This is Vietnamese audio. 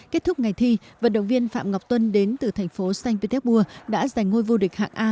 kết thúc ngày thi vận động viên phạm ngọc tuân đến từ thành phố saint petersburg đã giành ngôi vô địch hạng a